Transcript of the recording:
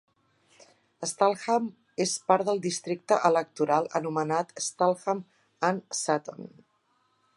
Stalham és part del districte electoral anomenat Stalham and Sutton.